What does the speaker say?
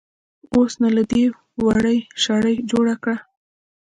اوس نو له دې وړۍ شړۍ جوړه کړه.